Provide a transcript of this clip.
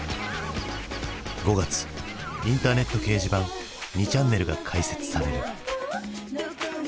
５月インターネット掲示板２ちゃんねるが開設される。